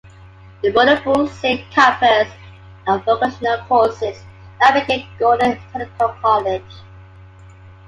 The Moorabool Saint campus and the vocational courses now became Gordon Technical College.